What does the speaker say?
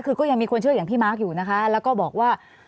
คือก็ยังมีคนเชื่ออย่างพี่มาร์คอยู่นะคะแล้วก็บอกว่า